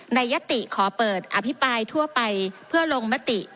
ยติขอเปิดอภิปรายทั่วไปเพื่อลงมติ